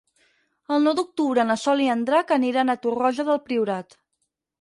El nou d'octubre na Sol i en Drac aniran a Torroja del Priorat.